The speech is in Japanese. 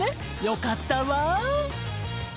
よかったわ。